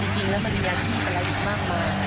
จริงแล้วมันมีอาชีพอะไรอีกมากมาย